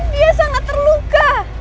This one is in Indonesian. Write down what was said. dia sangat terluka